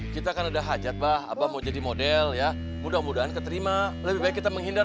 kita kan ada hajat bah apa mau jadi model ya mudah mudahan keterima lebih baik kita menghindar